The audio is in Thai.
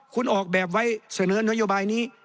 คุณออกแบบไว้เสนอนโยบายนี้